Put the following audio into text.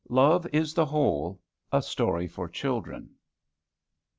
LOVE IS THE WHOLE. A STORY FOR CHILDREN.